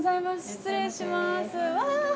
失礼します。